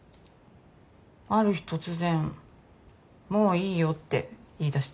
ある日突然もういいよって言いだして。